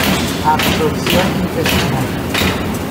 Absorción intestinal.